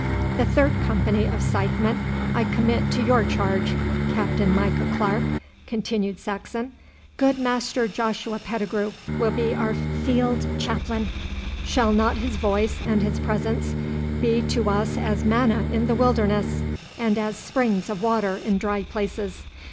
'The third company of scythesmen I commit to your charge, Captain Micah Clarke,' continued Saxon. 'Good Master Joshua Pettigrue will be our field chaplain. Shall not his voice and his presence be to us as manna in the wilderness, and as springs of water in dry places?